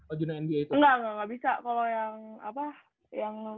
enggak enggak enggak bisa kalau yang apa yang